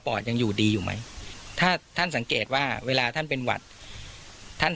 ยังอยู่ดีอยู่ไหมถ้าท่านสังเกตว่าเวลาท่านเป็นหวัดท่าน